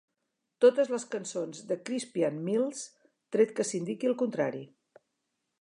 Totes les cançons de Crispian Mills, tret que s'indiqui el contrari.